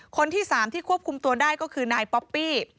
คนที่๓ที่ควบคุมตัวได้ก็คือนายป๊อปปี้